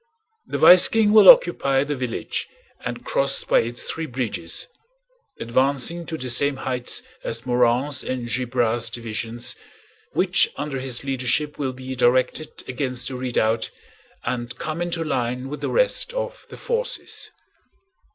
The vice King will occupy the village and cross by its three bridges, advancing to the same heights as Morand's and Gibrard's divisions, which under his leadership will be directed against the redoubt and come into line with the rest of the forces.